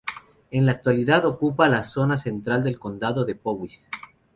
En la actualidad ocupa la zona central del condado de Powys.